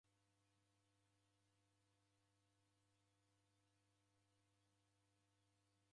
Siw'eseriaa mndungi w'ei uchenibonyera.